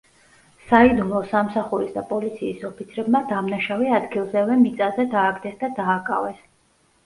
საიდუმლო სამსახურის და პოლიციის ოფიცრებმა დამნაშავე ადგილზევე მიწაზე დააგდეს და დააკავეს.